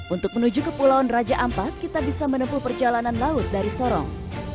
untuk menuju ke pulauan raja ampat kita bisa menempuh perjalanan laut dari sorong